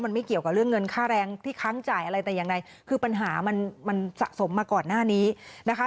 มันไม่เกี่ยวกับเรื่องเงินค่าแรงที่ค้างจ่ายอะไรแต่อย่างใดคือปัญหามันมันสะสมมาก่อนหน้านี้นะคะ